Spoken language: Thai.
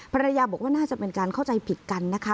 ภรรยาบอกว่าน่าจะเป็นการเข้าใจผิดกันนะคะ